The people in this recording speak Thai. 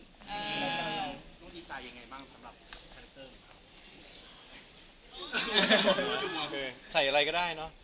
ต้องการต้องการสำหรับคมฝากยังไง